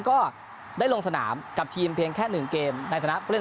ก็ได้ลงสนามกับทีมเพียงแค่หนึ่งเกมในฐนะก็เล่น